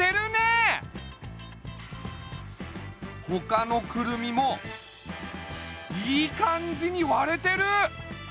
ほかのクルミもいい感じに割れてる！